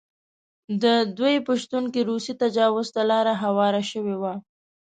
د دوی په شتون کې روسي تجاوز ته لاره هواره شوې وه.